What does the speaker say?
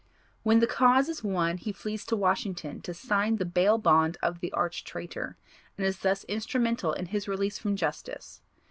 When the cause is won he flees to Washington to sign the bail bond of the arch traitor, and is thus instrumental in his release from justice.